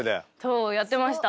そうやってました。